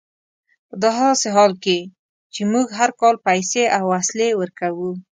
په داسې حال کې چې موږ هر کال پیسې او وسلې ورکوو.